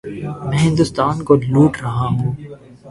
میں ہندوستان کو لوٹ رہا ہوں۔